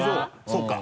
そうか。